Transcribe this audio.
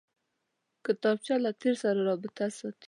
کتابچه له تېر سره رابطه ساتي